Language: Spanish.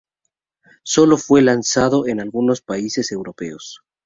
Sólo fue lanzado en algunos países europeos.